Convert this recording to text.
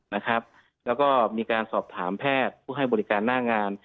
แล้วก็มีการสอบถามแพทย์ผู้ให้บริการหน้างาน